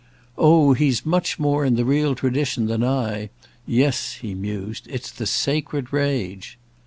"Oh he's much more in the real tradition than I. Yes," he mused, "it's the sacred rage."